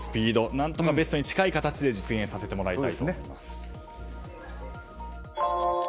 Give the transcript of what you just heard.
何とかベストに近い形で実現してもらいたいと思います。